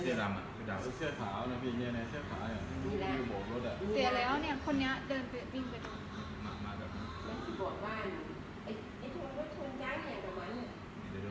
เหมือนกันเนี่ย